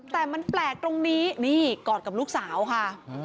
แต่มันแปลกตรงนี้นี่กอดกับลูกสาวค่ะ